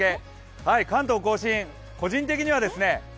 関東甲信、個人的にはですね